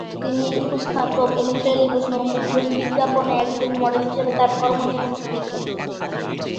তিনি উপস্থাপক এবং টেলিভিশন ও মুদ্রণ বিজ্ঞাপনের একজন মডেল হিসাবে তাঁর কর্মজীবন শুরু করেছিলেন।